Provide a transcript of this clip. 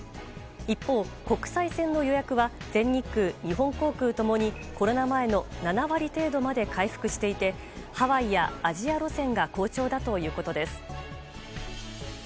一方、国際線の予約は全日空日本航空共にコロナ前の７割程度まで回復していてハワイやアジア路線が好調だということです。